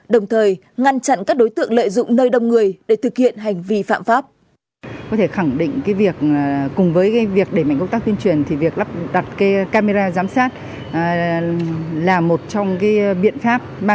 đồng thời ngăn chặn các đối tượng lợi dụng nơi đông người để thực hiện hành vi phạm pháp